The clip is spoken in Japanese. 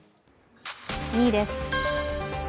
２位です。